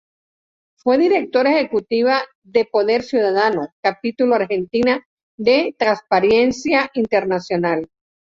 Fue Directora Ejecutiva de Poder Ciudadano, Capítulo Argentino de Transparencia Internacional.